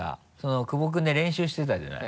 久保君で練習してたじゃない？